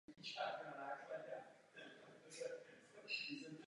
Pokud chceme dosáhnout skutečného pokroku, musíme tyto překážky překonat.